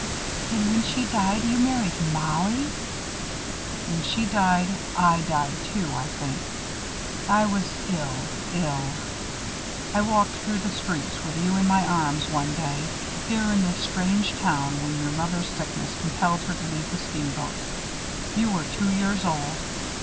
"And when she died, you married Mollie!" "When she died, I died too, I think. I was ill, ill. I walked through the streets with you in my arms one day, here in this strange town when your mother's sickness compelled her to leave the steamboat. You were two years old.